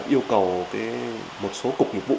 yêu cầu một số cục nghiệp vụ